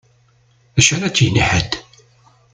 D acu ara d-yini ḥedd?